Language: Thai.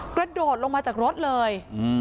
กระโดดลงมาจากรถเลย